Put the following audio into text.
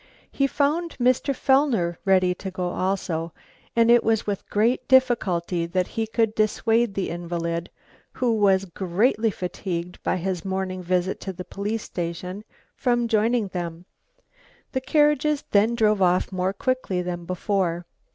He found Mr. Fellner ready to go also, and it was with great difficulty that he could dissuade the invalid, who was greatly fatigued by his morning visit to the police station, from joining them. The carriages then drove off more quickly than before.